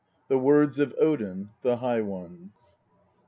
THE WORDS OF ODIN, THE HIGH ONE.